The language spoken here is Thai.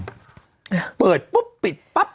เปิดปุ๊บปิดปั๊บเปิดปุ๊บปิดปั๊บ